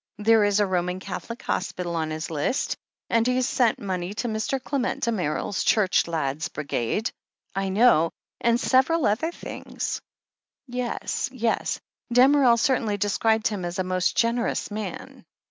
There is a Roman Cath olic hospital on his list, and he has sent money to Mr. Clement Damerel's Church Lads' Brigade, I know, and several other things." "Yes — ^yes. Damerel certainly described him as a most generous man."